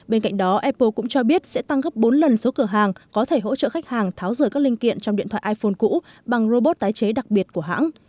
bên cạnh đó apple cũng cho biết sẽ tăng gấp bốn lần số cửa hàng có thể hỗ trợ khách hàng tháo rời các linh kiện trong điện thoại iphone cũ bằng robot tái chế đặc biệt của hãng